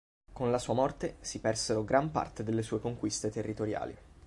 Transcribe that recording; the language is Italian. Con la sua morte si persero gran parte delle sue conquiste territoriali.